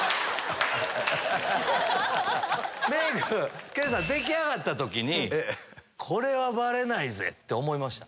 メイク研さん出来上がった時にこれはバレないって思いました？